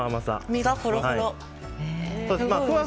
身がほろほろ。